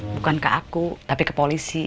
bukan ke aku tapi ke polisi